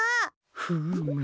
フーム。